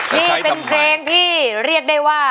นี่เป็นเพลงที่เรียกได้ว่า